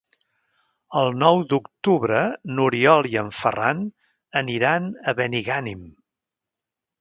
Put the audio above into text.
El nou d'octubre n'Oriol i en Ferran aniran a Benigànim.